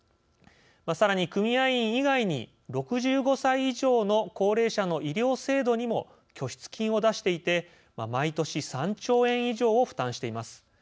さらに、組合員以外に６５歳以上の高齢者の医療制度にも拠出金を出していて毎年、３兆円以上を負担しています。